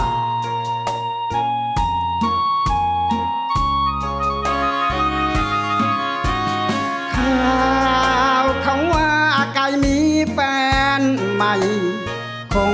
แม้ว่าฉันต้องผิดหวัง